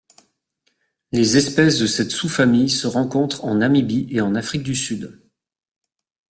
Les espèces de cette sous-famille se rencontrent en Namibie et en Afrique du Sud.